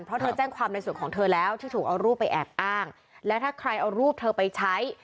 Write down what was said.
เพราะเธอแจ้งความในส่วนของเธอแล้วที่ถูกเอารูปไปแอบอ้างและถ้าใครเอารูปเธอไปใช้